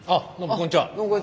こんにちは。